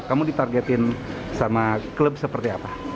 kamu ditargetin sama klub seperti apa